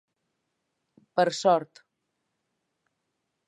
Per sort